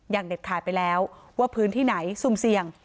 เด็ดขาดไปแล้วว่าพื้นที่ไหนซุ่มเสี่ยง